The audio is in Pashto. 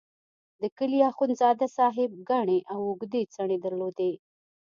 د کلي اخندزاده صاحب ګڼې او اوږدې څڼې درلودې.